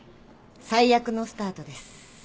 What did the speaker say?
最悪のスタートです。